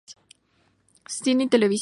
Cine y televisión